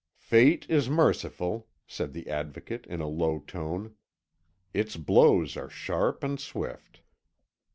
"Fate is merciful," said the Advocate in a low tone; "its blows are sharp and swift."